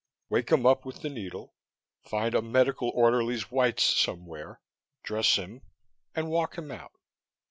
Wake him up with the needle; find a medical orderly's whites somewhere; dress him; and walk him out.